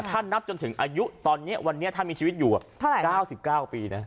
ถ้านับจนถึงอายุตอนนี้วันนี้ถ้ามีชีวิตอยู่๙๙ปีนะ